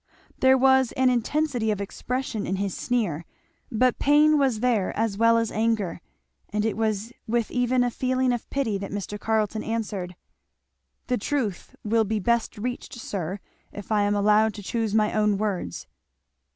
There was an intensity of expression in his sneer, but pain was there as well as anger; and it was with even a feeling of pity that Mr. Carleton answered, "The truth will be best reached, sir, if I am allowed to choose my own words."